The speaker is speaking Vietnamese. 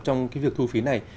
trong cái việc thu phí này